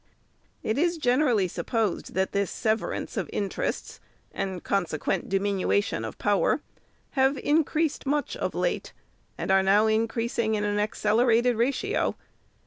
It is generally supposed, that this severance of interests, and consequent diminution of power, have increased much of late, and are now increasing in an accelerated ratio.